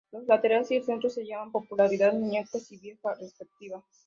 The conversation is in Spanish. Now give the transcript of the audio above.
Los laterales y el centro se llaman popularmente "muñecos" y "vieja" respectivamente.